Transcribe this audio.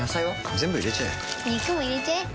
全部入れちゃえ肉も入れちゃえ